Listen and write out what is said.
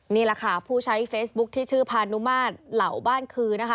นี่แหละค่ะผู้ใช้เฟซบุ๊คที่ชื่อพานุมาตรเหล่าบ้านคือนะคะ